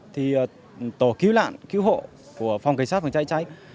thì tổ cứu nạn cứu hộ của phòng cảnh sát phòng cháy cháy